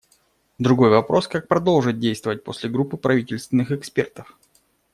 Другой вопрос: как продолжить действовать после группы правительственных экспертов?